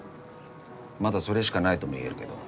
まだそれしかないともいえるけど。